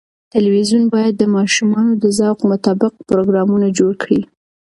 تلویزیون باید د ماشومانو د ذوق مطابق پروګرامونه جوړ کړي.